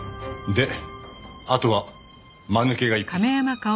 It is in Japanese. であとは間抜けが一匹。